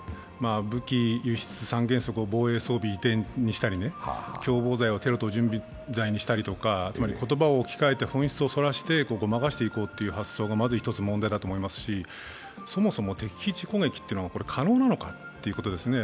武器輸出三原則を防衛装備移転にしたり、共謀罪を、テロ等準備罪にしたり、つまり言葉を置き換えて、本質を濁してそういうことが、まず１つ問題だと思いますし、そもそも敵基地攻撃というのは可能なのかということですね。